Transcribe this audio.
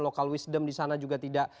local wisdom disana juga tidak